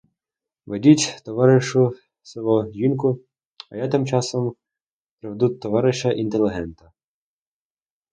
Ведіть, товаришу село, жінку, а я тим часом проведу товариша інтелігента.